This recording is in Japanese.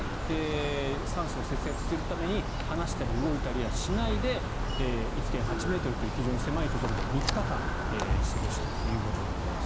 酸素を節約するために話したりや動いたりはしないで１．８ｍという非常に狭いところで３日間過ごしたということになります。